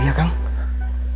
ya ada vika